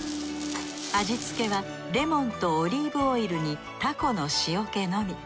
味付けはレモンとオリーブオイルにタコの塩気のみ。